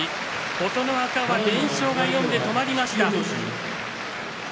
琴ノ若は連勝が４で止まりました。